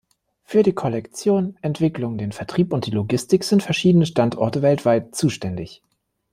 Für die Kollektion, Entwicklung, den Vertrieb und die Logistik sind verschiedene Standorte weltweit zuständig.